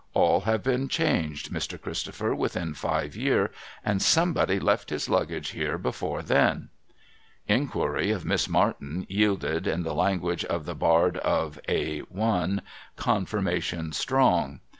All have been changed, Mr. Christopher, within five year, and Somebody left his Luggage here before then.' Inquiry of Miss Martin yielded (in the language of the Bard of 286 SOMEBODY'S LUGGAGE A. I.) 'confirmation strong.'